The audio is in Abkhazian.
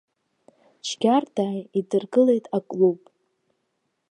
Џьгьардаа идыргылеит аклуб.